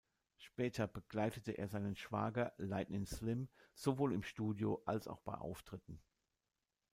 Später begleitete er seinen Schwager Lightnin’ Slim sowohl im Studio als auch bei Auftritten.